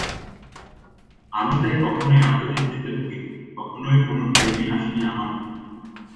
আমি তাই কখনোই আত্মতৃপ্তিতে ভুগিনি, কখনোই কোনো ঢিলেমি আসেনি আমার মধ্যে।